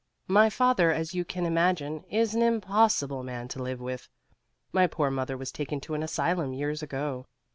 My father, as you can imagine, is an impossible man to live with. My poor mother was taken to an asylum years ago.